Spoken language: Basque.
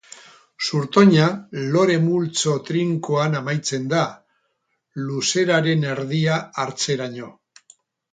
Zurtoina lore multzo trinkoan amaitzen da, luzeraren erdia hartzeraino.